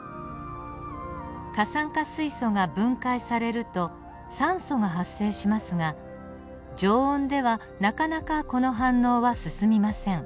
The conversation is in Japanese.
過酸化水素が分解されると酸素が発生しますが常温ではなかなかこの反応は進みません。